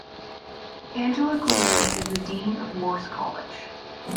Angela Gleason is the Dean of Morse College.